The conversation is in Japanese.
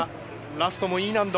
ラストもＥ難度。